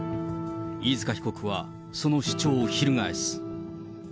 飯塚被告はその主張を翻す。